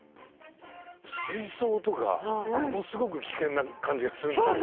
水槽とかものすごく危険な感じがするんですけど。